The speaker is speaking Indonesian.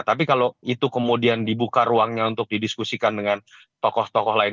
tapi kalau itu kemudian dibuka ruangnya untuk didiskusikan dengan tokoh tokoh lain